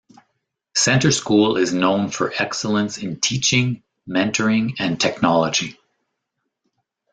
Center School is known for excellence in teaching, mentoring, and technology.